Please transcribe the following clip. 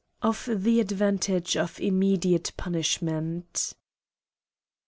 Of the Mvantage nf immediate Punishment.